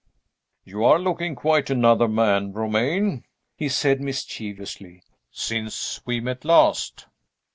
"You are looking quite another man, Romayne!" he said mischievously, "since we met last."